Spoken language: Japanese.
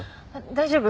大丈夫。